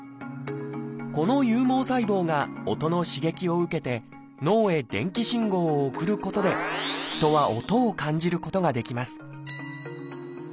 この有毛細胞が音の刺激を受けて脳へ電気信号を送ることで人は音を感じることができます